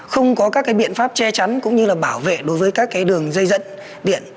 không có các biện pháp che chắn cũng như là bảo vệ đối với các đường dây dẫn điện